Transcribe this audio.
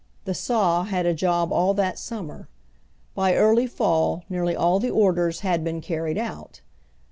The saw had a job all that summer ; by early fall nearly all the orders had been carried out.